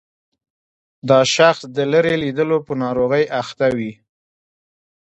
دا شخص د لیرې لیدلو په ناروغۍ اخته وي.